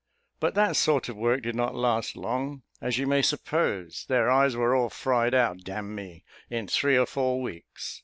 But that sort of work did not last long, as you may suppose; their eyes were all fried out, d n me, in three or four weeks!